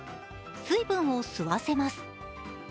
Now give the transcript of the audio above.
水分を吸わせます。